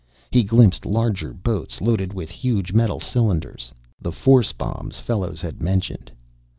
He glimpsed larger boats loaded with huge metal cylinders the force bombs Fellows had mentioned.